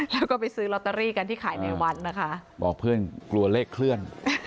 แล้วก็ไปซื้อลอตเตอรี่กันที่ขายในวัดนะคะบอกเพื่อนกลัวเลขเคลื่อน